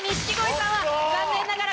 残念ながら。